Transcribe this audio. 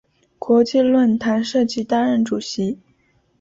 国际论坛设计担任主席。